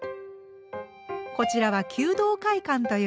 こちらは求道会館という建物。